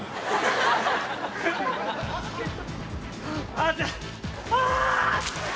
ああ！